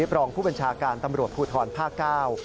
รองผู้บัญชาการตำรวจภูทรภาคเก้า